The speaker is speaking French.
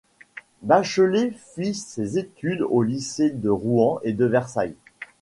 Bachelet fit ses études aux lycées de Rouen et de Versailles.